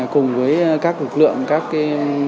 cùng với các lực lượng các cái